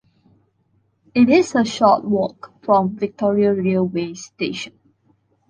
It is a short walk from Victoria railway station.